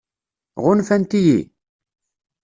Ɣunfant-iyi?